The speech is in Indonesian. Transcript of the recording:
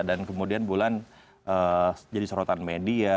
dan kemudian bulan jadi sorotan media